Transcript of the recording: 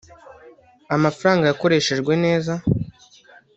amafaranga yakoreshejwe neza